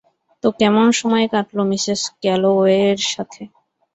তো কেমন সময় কাটল মিসেস ক্যালোওয়ে এর সাথে?